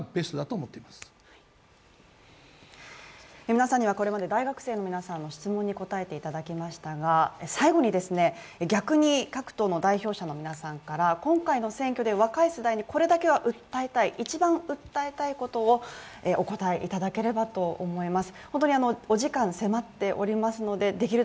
皆さんにはこれまで大学生の皆さんの質問に答えていただきましたが最後に逆に各党の代表者の皆さんから今回の選挙で若い世代にこれだけは訴えたい一番訴えたいことをお答えいただければと思います。